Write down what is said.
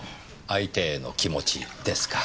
相手への気持ちですか。